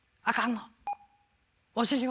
あかんの？